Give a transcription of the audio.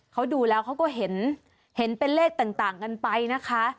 เขาดูแล้วเขาก็เห็นเป็นเลขต่างกันไปนะคะ